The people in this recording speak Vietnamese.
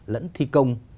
lẫn thi công